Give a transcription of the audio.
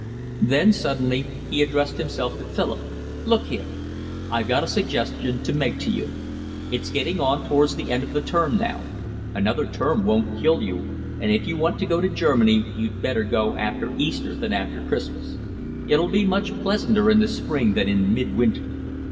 Then suddenly he addressed himself to Philip: "Look here, I've got a suggestion to make to you. It's getting on towards the end of the term now. Another term won't kill you, and if you want to go to Germany you'd better go after Easter than after Christmas. It'll be much pleasanter in the spring than in midwinter.